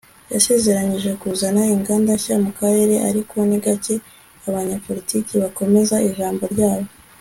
Yasezeranije kuzana inganda nshya mu karere ariko ni gake abanyapolitiki bakomeza ijambo ryabo